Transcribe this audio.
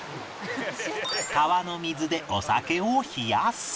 川の水でお酒を冷やす